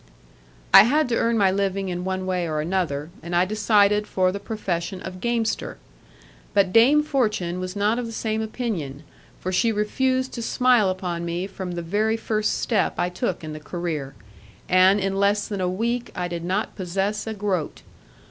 I had to earn my living in one way or another, and I decided for the profession of gamester. But Dame Fortune was not of the same opinion, for she refused to smile upon me from the very first step I took in the career, and in less than a week I did not possess a groat.